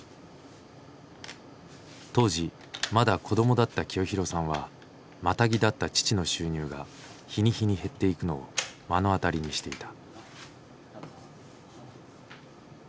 当時まだ子供だった清弘さんはマタギだった父の収入が日に日に減っていくのを目の当たりにしていた。